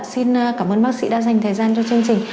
xin cảm ơn bác sĩ đã dành thời gian cho chương trình